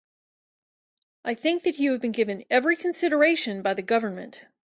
I think that you have been given every consideration by the Government.